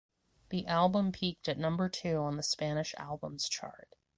The album peaked at number two on the Spanish Albums Chart.